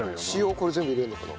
これ全部入れるのかな。